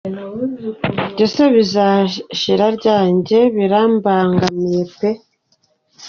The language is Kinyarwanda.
byose bizashira ryari? Njye birambangamiye pe.